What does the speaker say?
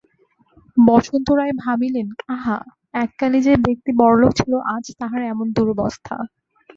বসন্ত রায় ভাবিলেন, আহা, এককালে যে ব্যক্তি বড়লোক ছিল আজ তাহার এমন দুরবস্থা!